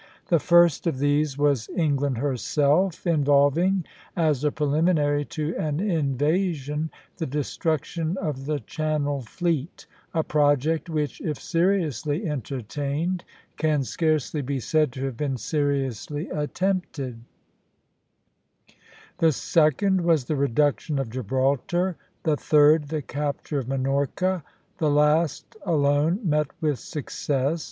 The first of these was England herself, involving, as a preliminary to an invasion, the destruction of the Channel fleet, a project which, if seriously entertained, can scarcely be said to have been seriously attempted; the second was the reduction of Gibraltar; the third, the capture of Minorca. The last alone met with success.